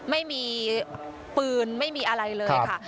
ไม่มีปืนไม่มีอะไรเลยค่ะ